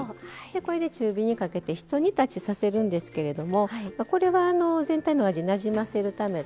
これで中火にかけてひと煮立ちさせるんですけれどもこれは全体のお味なじませるため。